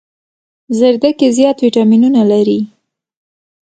زردکي زيات ويټامينونه لري